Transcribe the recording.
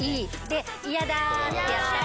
嫌だってやったら